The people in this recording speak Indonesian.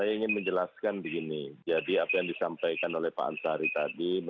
yang sudah bergabung dari luar studio